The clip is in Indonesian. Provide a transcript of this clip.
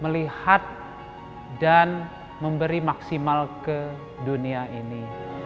melihat dan memberi maksimal ke dunia ini